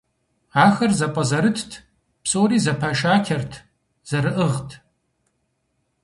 Ахэр зэпӏэзэрытт, псори зэпашачэрт, зэрыӏыгът.